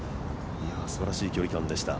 すばらしい距離感でした。